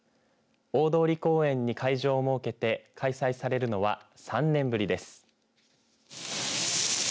大通公園に会場を設けて開催されるのは３年ぶりです。